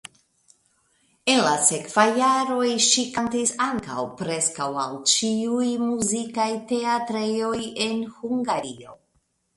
En la sekvaj jaroj ŝi kantis ankaŭ preskaŭ al ĉiuj muzikaj teatrejoj en Hungario.